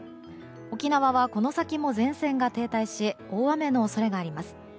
沖縄はこの先も前線が停滞し大雨の恐れがあります。